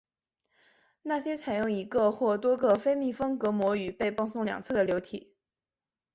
那些采用一个或多个非密封隔膜与被泵送两侧的流体。